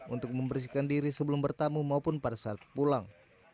untuk membersihkan diri sebelum bertamu maupun pada saat pulang